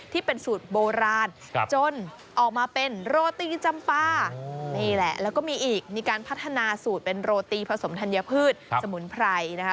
ที่เป็นสูตรโบราณจนออกมาเป็นโรตีจำปลานี่แหละแล้วก็มีอีกมีการพัฒนาสูตรเป็นโรตีผสมธัญพืชสมุนไพรนะคะ